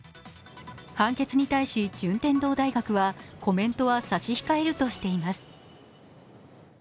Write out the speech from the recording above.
判決に対し、順天堂大学は、コメントは差し控えるとしています。